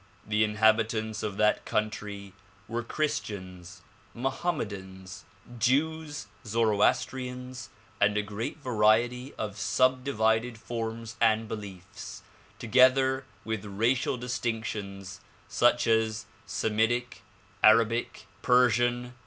The inhabitants of that countrj^ were Christians, ]\[ohammedans, Jews, Zoroastrians and a great variety of subdivided forms and beliefs together with racial distinctions such as Semitic, Arabic, Persian.